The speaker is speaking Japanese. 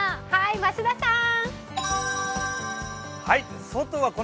増田さん。